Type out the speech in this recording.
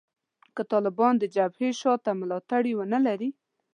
که طالبان د جبهې شا ته ملاتړي ونه لري